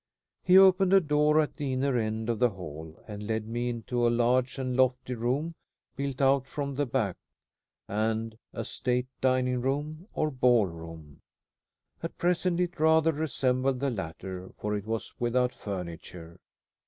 He opened a door at the inner end of the hall, and led me into a large and lofty room, built out from the back, as a state dining room or ball room. At present it rather resembled the latter, for it was without furniture.